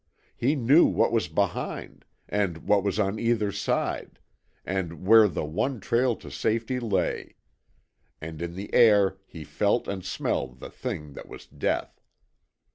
He knew what was behind, and what was on either side, and where the one trail to safety lay; and in the air he felt and smelled the thing that was death.